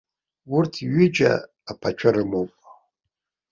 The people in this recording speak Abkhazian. Урҭ ҩыџьа аԥацәа рымоуп.